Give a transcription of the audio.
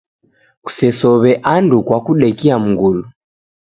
Kusesow'e andu kwa kudekia mgulu.